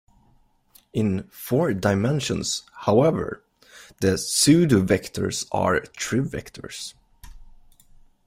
In four dimensions, however, the pseudovectors are trivectors.